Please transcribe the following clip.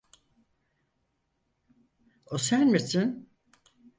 O sen misin?